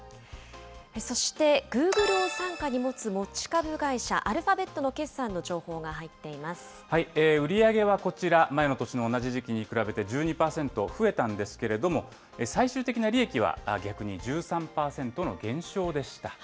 そして、グーグルを傘下に持つ持ち株会社、アルファベットの売り上げはこちら、前の年の同じ時期に比べて１２％増えたんですけれども、最終的な利益は逆に１３％の減少でした。